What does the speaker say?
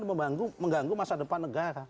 dan mengganggu masa depan negara